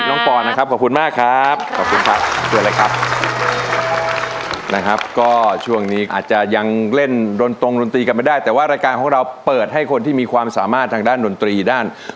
หนุ่มขอบคุณที่ผ่านทุกสำคัญ